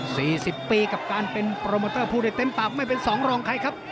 สี่สิบปีกับการเป็นโปรโมเตอร์ผู้ได้เต็มปากไม่เป็นสองรองใครครับ